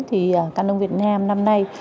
thì canon việt nam năm nay